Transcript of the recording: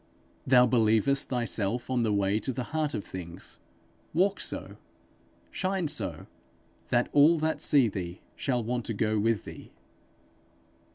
Thou believest thyself on the way to the heart of things: walk so, shine so, that all that see thee shall want to go with thee.